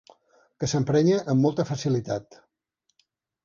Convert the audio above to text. Que s'emprenya amb molta facilitat.